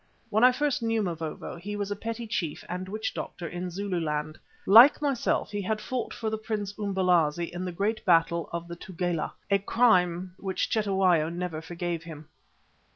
When I first knew Mavovo he was a petty chief and witch doctor in Zululand. Like myself, he had fought for the Prince Umbelazi in the great battle of the Tugela, a crime which Cetewayo never forgave him.